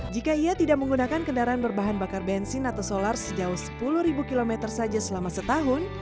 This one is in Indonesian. jika ia tidak menggunakan kendaraan berbahan bakar bensin atau solar sejauh sepuluh km saja selama setahun